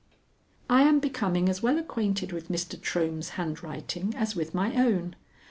I am becoming as well acquainted with Mr. Trohm's handwriting as with my own.